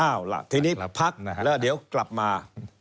อ้าวล่ะทีนี้พักแล้วเดี๋ยวกลับมา